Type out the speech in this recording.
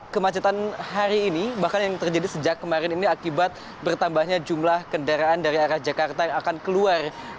kemacetan hari ini bahkan yang terjadi sejak kemarin ini akibat bertambahnya jumlah kendaraan dari arah jakarta yang akan keluar